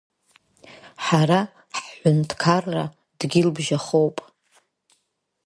Ҳара ҳҳәынҭқарра дгьылбжьахоуп.